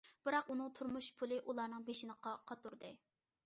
بىراق ئۇنىڭ تۇرمۇش پۇلى ئۇلارنىڭ بېشىنى قاتۇردى.